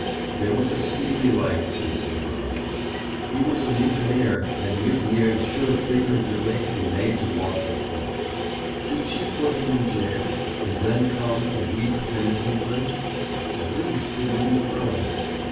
There was a steely light, too, in her eyes. He was a mutineer and mutineers should, figuratively, be made to walk the plank. Should she put him in jail and then come and weep penitently? At least, it would be thrilling.